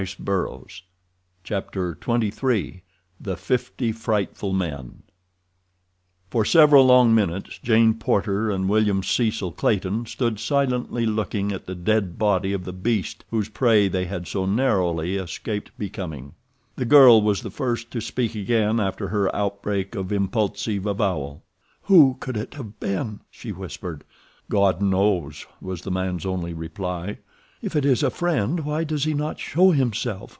Chapter XXIII The Fifty Frightful Men For several long minutes Jane Porter and William Cecil Clayton stood silently looking at the dead body of the beast whose prey they had so narrowly escaped becoming. The girl was the first to speak again after her outbreak of impulsive avowal. "Who could it have been?" she whispered. "God knows!" was the man's only reply. "If it is a friend, why does he not show himself?"